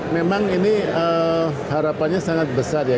memang ini harapannya sangat besar ya